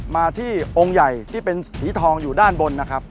มาที่องค์ใหญ่ที่เป็นสีทองอยู่ด้านบนนะครับ